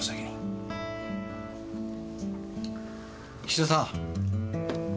岸田さん。